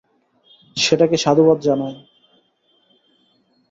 সেটাকে সাধুবাদ জানাই।